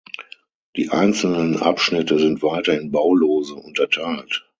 Die einzelnen Abschnitte sind weiter in Baulose unterteilt.